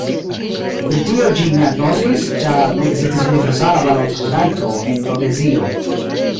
Britio ĝin ne agnoskis, ĉar ne ekzistis universala balotrajto en Rodezio.